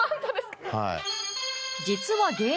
はい。